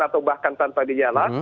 atau bahkan tanpa gejala